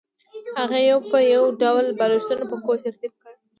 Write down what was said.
هغې یو په یو ټول بالښتونه په کوچ ترتیب کړل